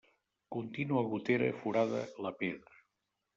Contínua gotera forada la pedra.